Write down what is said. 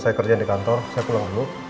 selesai kerjaan di kantor saya pulang dulu